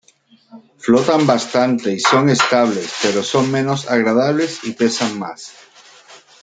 Flotan bastante y son estables pero son menos agradables y pesan más.